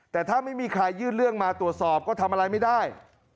แต่ถ้าไม่มีใครยื่นเรื่องมาตรวจสอบก็ทำอะไรไม่ได้